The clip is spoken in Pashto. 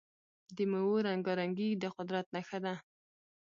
د میوو رنګارنګي د قدرت نښه ده.